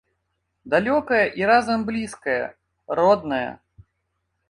Далёкая і разам блізкая, родная.